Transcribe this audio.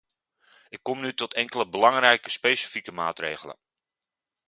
Ik kom nu tot enkele belangrijke specifieke maatregelen.